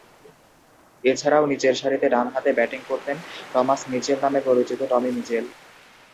এছাড়াও নিচেরসারিতে ডানহাতে ব্যাটিং করতেন টমাস মিচেল নামে পরিচিত টমি মিচেল।